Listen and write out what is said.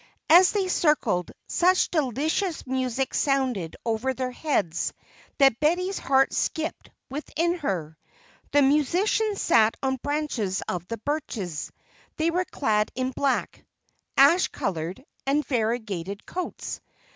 As they circled, such delicious music sounded over their heads that Betty's heart skipped within her. The musicians sat on branches of the birches. They were clad in black, ash coloured, and variegated coats.